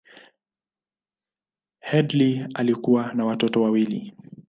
Headlee alikuwa na watoto wawili.